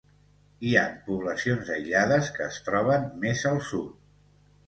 Hi han poblacions aïllades que es troben més al sud.